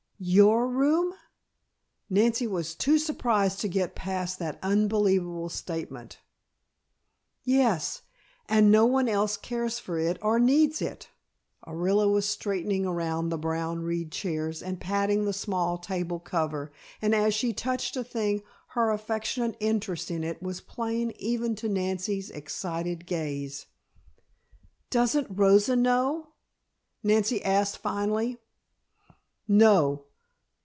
"Your room!" Nancy was too surprised to get past that unbelievable statement. "Yes; and no one else cares for it or needs it." Orilla was straightening around the brown reed chairs and patting the small table cover, and as she touched a thing, her affectionate interest in it was plain even to Nancy's excited gaze. "Doesn't Rosa know?" Nancy asked finally. "No.